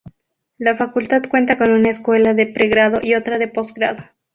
La Facultad cuenta con una escuela de pregrado y otra de postgrado.